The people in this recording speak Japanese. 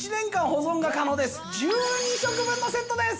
１２食分のセットです！